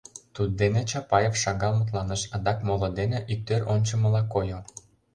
Туддене Чапаев шагал мутланыш, адак моло дене иктӧр ончымыла койо.